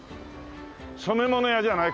染物屋じゃない？